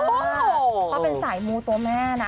เขาเป็นสายมูตัวแม่นะ